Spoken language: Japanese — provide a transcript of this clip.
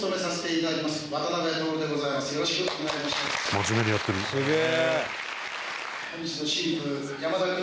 「真面目にやってる」「すげえ！」